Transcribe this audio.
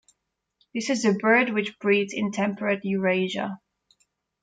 This is a bird which breeds in temperate Eurasia.